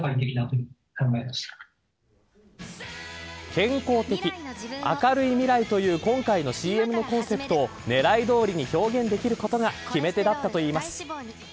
健康的、明るい未来という今回のＣＭのコンセプトを狙いどおりに表現できることが決め手だったといいます。